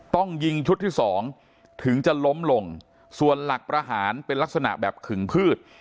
ต้องยิงชุดที่สองถึงจะล้มลงส่วนหลักประหารเป็นลักษณะแบบขึงพืช